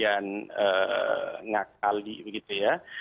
dan ngakali begitu ya